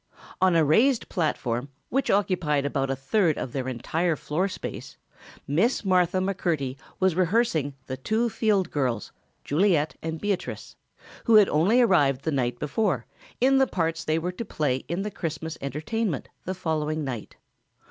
On a raised platform, which occupied about a third of their entire floor space, Miss Martha McMurtry was rehearsing the two Field girls, Juliet and Beatrice, who had only arrived the night before, in the parts they were to play in the Christmas entertainment the following night.